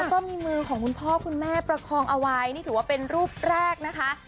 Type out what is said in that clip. ก็มีมือของคุณพ่อคุณแม่ประคองเอาไว้นี่ถือว่าเป็นรูปแรกนะคะ